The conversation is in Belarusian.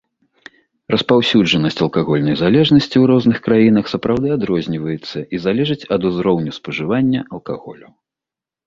Распаўсюджанасць алкагольнай залежнасці ў розных краінах сапраўды адрозніваецца і залежыць ад узроўню спажывання алкаголю.